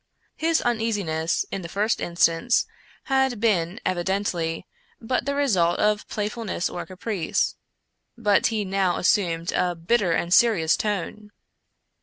His un easiness, in the first instance, had been, evidently, but the result of playfulness or caprice, but he now assumed a bit ter and serious tone.